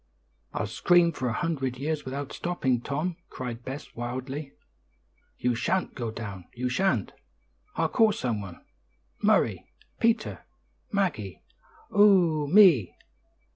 "I'll scream for a hundred years without stopping, Tom," cried Bess wildly. "You shan't go down, you shan't; I'll call some one. Murray! Peter! Maggie! O o o o o o o me!